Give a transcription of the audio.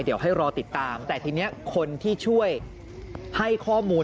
เดี๋ยวให้รอติดตามแต่ทีนี้คนที่ช่วยให้ข้อมูล